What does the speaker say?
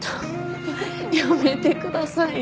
やめてくださいよ。